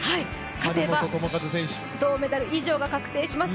勝てば銅メダル以上が確定します